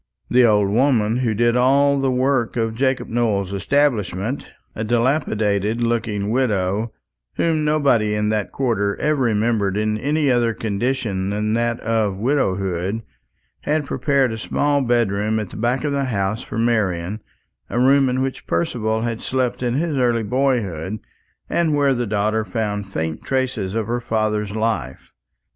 The old woman who did all the work of Jacob Nowell's establishment a dilapidated looking widow, whom nobody in that quarter ever remembered in any other condition than that of widowhood had prepared a small bedroom at the back of the house for Marian; a room in which Percival had slept in his early boyhood, and where the daughter found faint traces of her father's life.